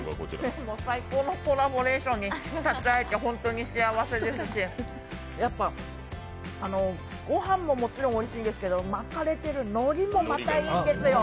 もう最高のコラボレーションに立ち会えて本当に幸せですし、ご飯ももちろんおいしいんですけど巻かれてるのりもまたいいんですよ。